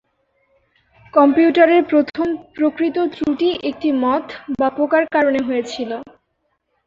কম্পিউটারের প্রথম প্রকৃত ত্রুটি একটি মথ বা পোকার কারণে হয়েছিলো।